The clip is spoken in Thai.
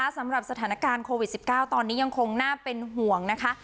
สำหรับสถานการณ์โควิด๑๙ตอนนี้ยังคงน่าเป็นห่วงนะคะ